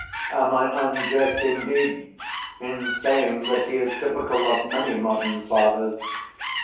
Am I unjust, indeed, in saying that he is typical of many modern fathers?